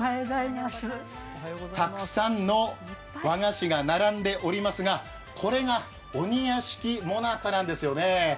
たくさんの和菓子が並んでおりますが、これが、鬼屋敷最中なんですよね。